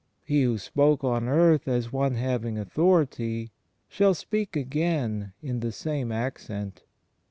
He who spoke on earth "as one having authority" shall speak again in the same accent.